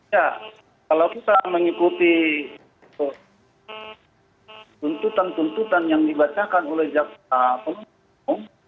ya kalau kita mengikuti tuntutan tuntutan yang dibacakan oleh jaksa penuntut umum